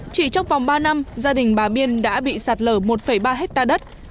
chỉ trong vòng ba năm gia đình bà biên đã bị sạt lở một ba hectare đất